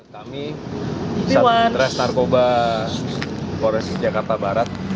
kami satu interes narkoba polres metro jakarta barat